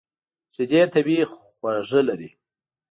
شیدې طبیعي خوږ لري.